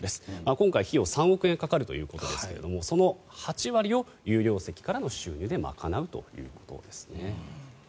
今回、費用３億円かかるということですがその８割を有料席からの収入で賄うということですね。